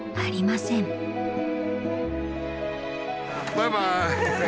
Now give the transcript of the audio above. バイバイ！